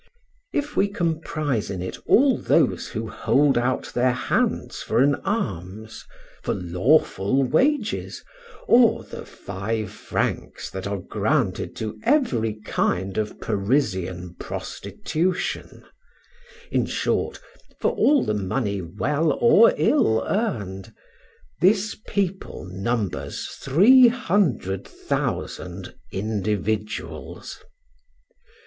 If we comprise in it all those who hold out their hands for an alms, for lawful wages, or the five francs that are granted to every kind of Parisian prostitution, in short, for all the money well or ill earned, this people numbers three hundred thousand individuals.